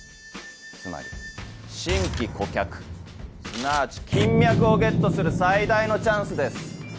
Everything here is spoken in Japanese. つまり新規顧客すなわち金脈をゲットする最大のチャンスです。